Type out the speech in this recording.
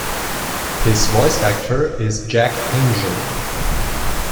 His voice actor is Jack Angel.